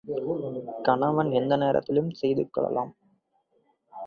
கணவன் எந்த நேரத்திலும் செய்துகொள்ளலாம்.